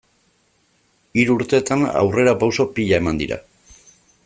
Hiru urtetan aurrerapauso pila eman dira.